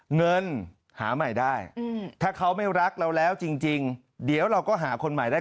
เงินหาใหม่ได้ถ้าเขาไม่รักเราแล้วจริงเดี๋ยวเราก็หาคนใหม่ได้